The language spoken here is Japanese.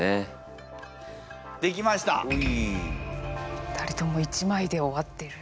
２人とも１枚で終わってる。